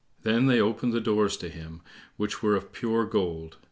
Then they opened the doors to him, which were of pure gold.